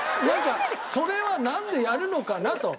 それはなんでやるのかな？と。